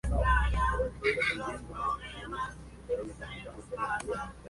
Ellos tienen un telescopio robótico pequeño, recursos educativos y actividades para el aprendizaje.